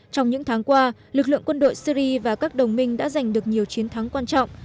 trong những tháng qua lực lượng quân đội syri và các đồng minh đã giành được nhiều chiến thắng quan trọng